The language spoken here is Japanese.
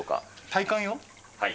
体感よ。